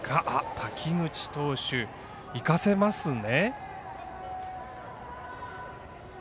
滝口投手行かせますね。